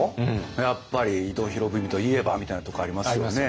やっぱり「伊藤博文といえば」みたいなところありますよね。